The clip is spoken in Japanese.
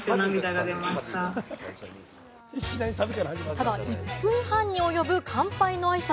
ただ１分半に及ぶ乾杯の挨拶。